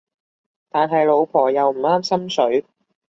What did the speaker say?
但係老婆又唔啱心水